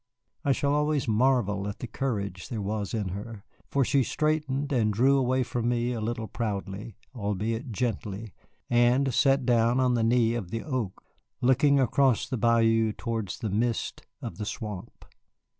I shall always marvel at the courage there was in her, for she straightened and drew away from me a little proudly, albeit gently, and sat down on the knee of the oak, looking across the bayou towards the mist of the swamp.